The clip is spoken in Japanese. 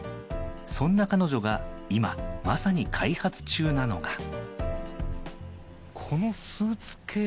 そんな彼女が今まさに開発中なのが。